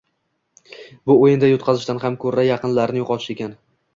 Bu oʻyinda yutqazishdan ham koʻra yaqinlarni yoʻqotish ekan